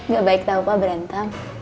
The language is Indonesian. gak baik tahu pak berantem